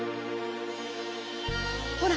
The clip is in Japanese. ほら！